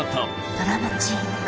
・ドラマチック！